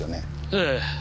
ええ。